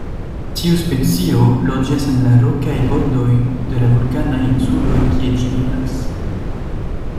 Tiu specio loĝas en la rokaj bordoj de la vulkanaj insuloj kie ĝi vivas.